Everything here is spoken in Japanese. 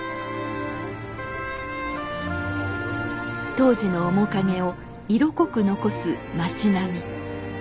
当時の面影を色濃く残す町並み。